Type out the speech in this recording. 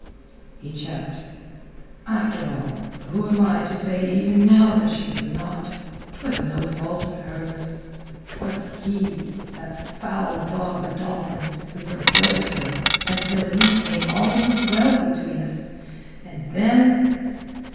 He checked. "After all, who am I to say even now that she was not? 'Twas no fault of hers. 'Twas he, that foul dog Godolphin, who perverted her. Until he came all was well between us. And then...."